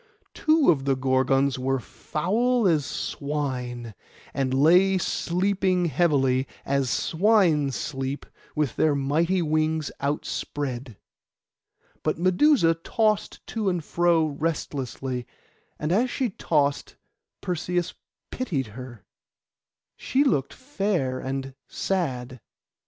Two of the Gorgons were foul as swine, and lay sleeping heavily, as swine sleep, with their mighty wings outspread; but Medusa tossed to and fro restlessly, and as she tossed Perseus pitied her, she looked so fair and sad.